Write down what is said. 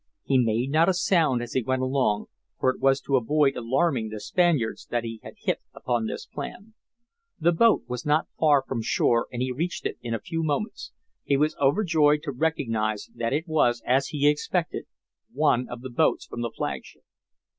He made not a sound as he went along for it was to avoid alarming the Spaniards that he had hit upon this plan. The boat was not far from shore and he reached it in a few moments. He was overjoyed to recognize that it was, as he expected, one of the boats from the flagship.